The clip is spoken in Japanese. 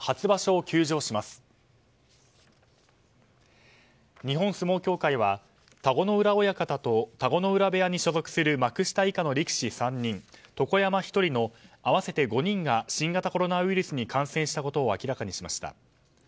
日本相撲協は田子ノ浦親方と田子ノ浦部屋に所属する幕下以下の力士３人と床山１人の合わせて５人が新型コロナウイルスに感染したことを明らかにしました。